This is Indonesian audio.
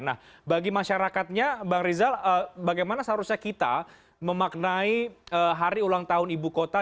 nah bagi masyarakatnya bang rizal bagaimana seharusnya kita memaknai hari ulang tahun ibu kota